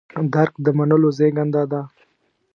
درک د منلو زېږنده ده.